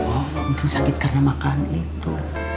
oh mungkin sakit karena makan itu